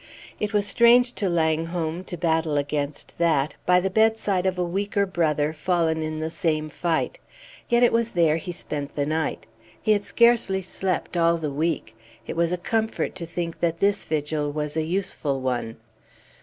It was strange to Langholm to battle against that by the bedside of a weaker brother fallen in the same fight. Yet it was there he spent the night. He had scarcely slept all the week. It was a comfort to think that this vigil was a useful one.